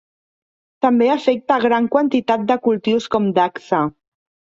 També afecta gran quantitat de cultius com dacsa.